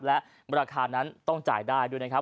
และราคานั้นต้องจ่ายได้ด้วยนะครับ